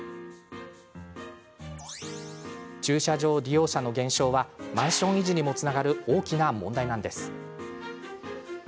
駐車場利用者の減少はマンション維持にもつながる大きな問題なんです。